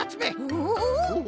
おお。